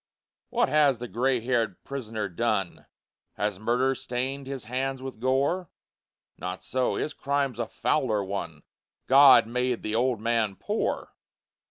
What has the gray haired prisoner done? Has murder stained his hands with gore? Not so; his crime's a fouler one; God made the old man poor!